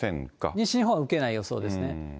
西日本は受けない予想ですね。